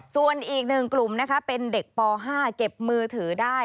ส่วนอีก๑กลุ่มนะคะเป็นเด็กป๕เก็บมือถือได้